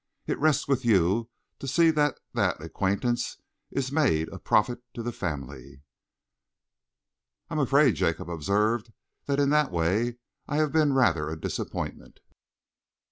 It rests with you to see that that acquaintance is made of profit to the family.'" "I am afraid," Jacob observed, "that in that way I have been rather a disappointment."